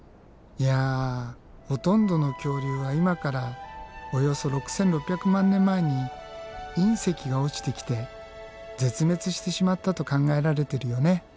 いやほとんどの恐竜は今からおよそ６，６００万年前に隕石が落ちてきて絶滅してしまったと考えられてるよね。